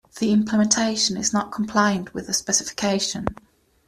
The implementation is not compliant with the specification.